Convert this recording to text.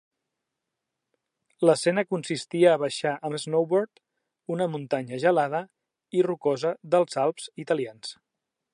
L'escena consistia a baixar amb snowboard una muntanya gelada i rocosa dels Alps Italians.